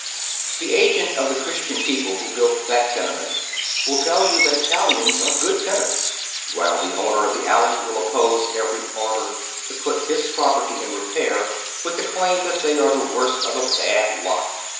The agent of the Christian people who built that tenement will tell yon that Italians are good tenants, while the owner of the oy Google „Google Gi now THE OTHKK HALF LIVES. alley will oppose every order to pnt Iiis property in repair with the claim that they are the worst of a bad lot.